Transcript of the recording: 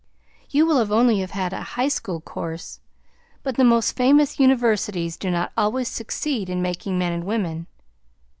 "You will only have had a high school course, but the most famous universities do not always succeed in making men and women.